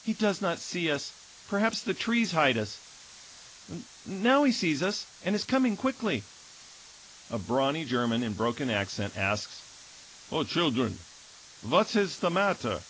He does not see us, perhaps the trees hide us. Now he sees us, and is coming quickly." A brawny German in broken accent asks: "O children, what is the matter?"